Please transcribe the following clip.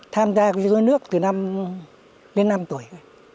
tham gia múa dối nước từ năm đến năm tuổi